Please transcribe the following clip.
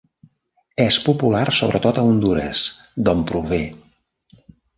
És popular sobretot a Hondures, d'on prové.